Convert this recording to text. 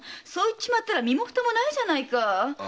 そう言っちまったら身も蓋もないじゃないか。